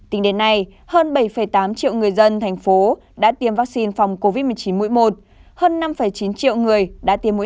tính đến nay hơn bảy tám triệu người dân thành phố đã tiêm vaccine phòng covid một mươi chín mũi một hơn năm chín triệu người đã tiêm mũi